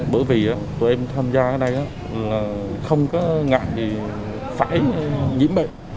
bởi vì tụi em tham gia ở đây là không có ngại gì phải nhiễm bệnh